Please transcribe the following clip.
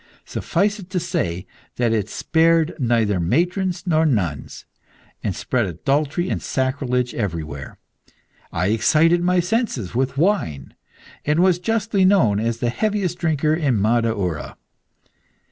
Suffice it to say that it spared neither matrons nor nuns, and spread adultery and sacrilege everywhere. I excited my senses with wine, and was justly known as the heaviest drinker in Madaura.